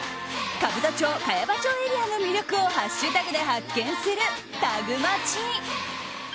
兜町・茅場町エリアの魅力をハッシュタグで発見するタグマチ。